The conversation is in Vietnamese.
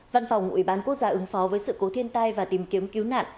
văn phòng ủy ban quốc gia ứng phó với sự cố thiên tai và tìm kiếm cứu nạn